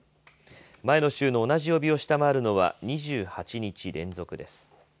前の週の同じ曜日を下回るのは２８日連続です。